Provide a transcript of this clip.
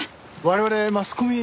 我々マスコミ。